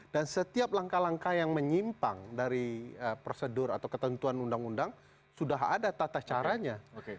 dan setiap langkah langkah yang menyimpang dari prosedur atau ketentuan undang undang sudah ada tata caranya